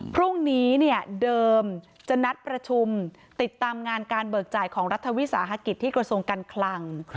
พรุ่งนี้เดิมจะนัดประชุมติดตามงานการเบิกจ่ายของรัฐวิสาหกิจที่กระทรวงการคลัง